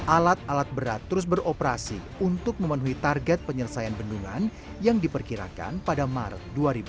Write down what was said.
alat alat berat terus beroperasi untuk memenuhi target penyelesaian bendungan yang diperkirakan pada maret dua ribu dua puluh